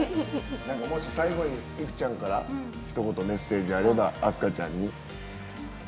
最後に、いくちゃんからひと言メッセージあれば飛鳥ちゃんに。